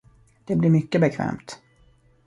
Det blir mycket bekvämt.